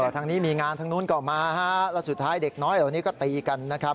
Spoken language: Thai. ทางนี้มีงานทางนู้นก็มาฮะแล้วสุดท้ายเด็กน้อยเหล่านี้ก็ตีกันนะครับ